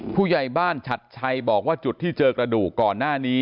ผู้ใหญ่บ้านฉัดชัยบอกว่าจุดที่เจอกระดูกก่อนหน้านี้